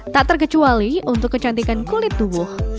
tak terkecuali untuk kecantikan kulit tubuh